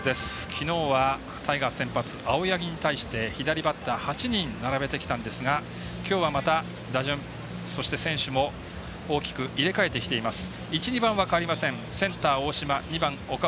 きのうは、タイガース先発青柳に対して左バッター８人並べてきたんですがきょうはまた打順、そして選手も大きく入れ替えてきています。